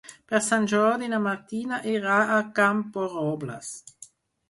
Per Sant Jordi na Martina irà a Camporrobles.